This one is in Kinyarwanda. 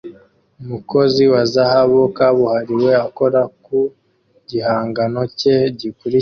Umukozi wa zahabu kabuhariwe akora ku gihangano cye gikurikira